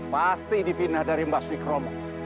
pasti dipinah dari mbah suikomo